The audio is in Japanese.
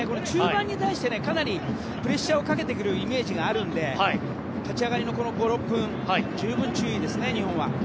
中盤に対してかなりプレッシャーをかけてくるイメージがあるので立ち上がりの５６分十分、注意ですね日本は。